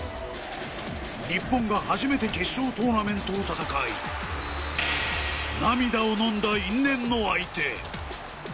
日本が初めて決勝トーナメントを戦い、涙をのんだ因縁の相手。